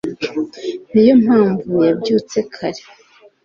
niyo mpamvu yabyutse kare